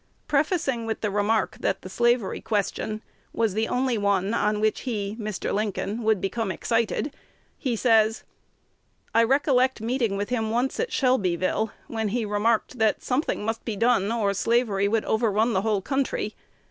Prefacing with the remark that the slavery question was the only one "on which he (Mr. Lincoln) would become excited," he says, "I recollect meeting with him once at Shelbyville, when he remarked that something must be done, or slavery would overrun the whole country.